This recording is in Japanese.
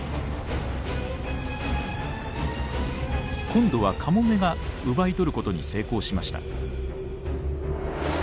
今度はカモメが奪い取ることに成功しました。